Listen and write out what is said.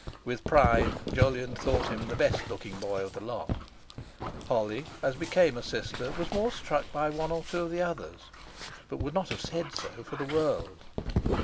With pride Jolyon thought him the best looking boy of the lot; Holly, as became a sister, was more struck by one or two of the others, but would not have said so for the world.